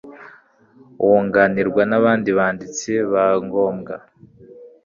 wunganirwa n abandi banditsi ba ngombwa